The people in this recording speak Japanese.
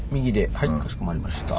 はいかしこまりました。